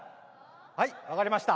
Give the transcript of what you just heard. はい分かりました。